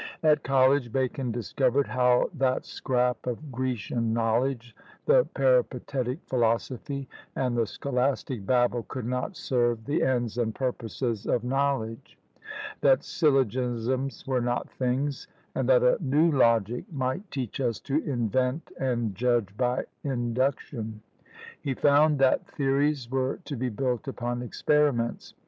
At college, Bacon discovered how "that scrap of Grecian knowledge, the peripatetic philosophy," and the scholastic babble, could not serve the ends and purposes of knowledge; that syllogisms were not things, and that a new logic might teach us to invent and judge by induction. He found that theories were to be built upon experiments.